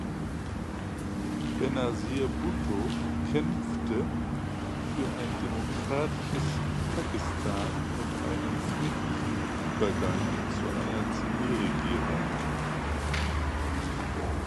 Benazir Bhutto kämpfte für ein demokratisches Pakistan und einen friedlichen Übergang zu einer Zivilregierung.